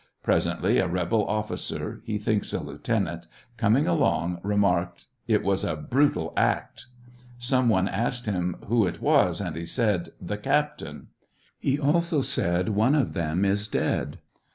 Presently a rebel officer, be thinks a lieutenant, coming along, remarked, " It was a brutal act." Some one asked hira who it was, and he said, " The captain." He also said, "One of them is dead."